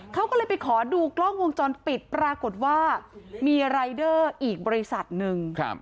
เขาก็เลยไปขอดูกล้องวงจรปิดปรากฏว่ามีรายเดอร์อีกบริษัทหนึ่ง